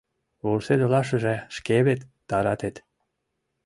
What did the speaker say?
— Вурседылашыже шке вет таратет.